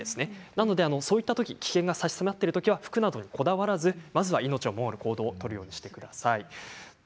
なのでそういったとき危険が差し迫っているときは服などにこだわらずまずは命を守る行動を取るようにしてください。